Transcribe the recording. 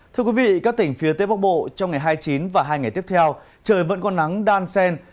thưa quý vị các tỉnh phía tây bắc bộ trong ngày hai mươi chín và hai ngày tiếp theo trời vẫn có nắng đan sen